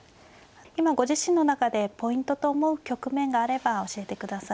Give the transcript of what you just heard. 今ご自身の中でポイントと思う局面があれば教えてください。